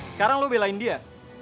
sekarang lo belain dia